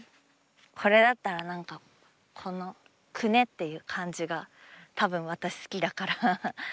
これだったら何かこのくねっていう感じがたぶん私好きだから。